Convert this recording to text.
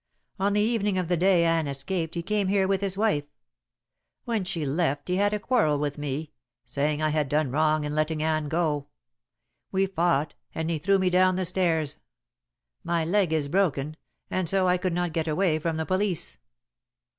On the evening of the day Anne escaped he came here with his wife. When she left he had a quarrel with me, saying I had done wrong in letting Anne go. We fought, and he threw me down the stairs. My leg is broken, and so I could not get away from the police.